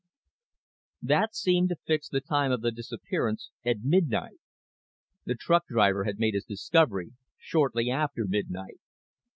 That seemed to fix the time of the disappearance at midnight. The truck driver had made his discovery shortly after midnight.